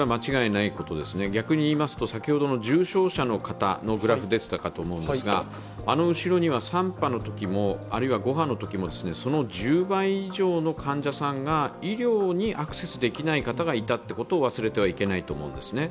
逆に言いますと先ほどの重症者の方のグラフが出ていたと思うんですが、あの後ろには３波のときも、５波のときもその１０倍以上の患者さんが医療にアクセスできない方がいたということを忘れてはいけないと思うんですね。